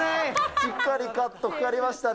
しっかりかっとかかりましたね。